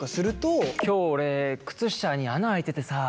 今日俺靴下に穴開いててさ。